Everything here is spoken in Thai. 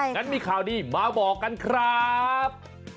งั้นมีข่าวดีมาบอกกันครับ